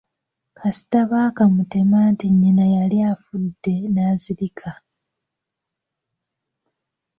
Kasita baakamutema nti nnyina yali afudde n’azirirka.